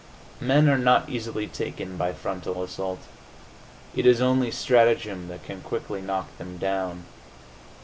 Men are not easily taken by frontal assault; it is only strategem that can quickly knock them down.